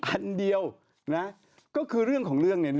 อันเดียวนะก็คือเรื่องของเรื่อง